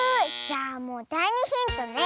じゃあもうだい２ヒントね。